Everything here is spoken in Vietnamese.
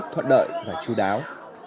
thuận đợi và chú đáo